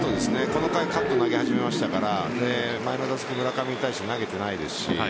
この回、カット投げ始めましたから前の打席村上に対して投げてないですし